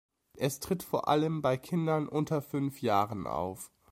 Es tritt vor allem bei Kindern unter fünf Jahren auf.